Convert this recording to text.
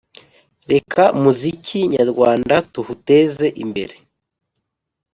Reka muziki nyarwanda tuhuteze imbere